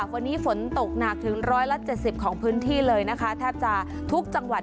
วันนี้ฝนตกหนักถึงร้อยละเจ็ดสิบของพื้นที่เลยนะคะแทบจะทุกจังหวัด